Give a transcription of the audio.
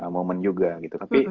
moment juga gitu tapi